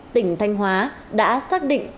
tỉnh thanh hóa đã xác định